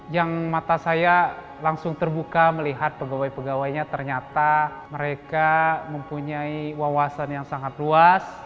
yang mata saya langsung terbuka melihat pegawai pegawainya ternyata mereka mempunyai wawasan yang sangat luas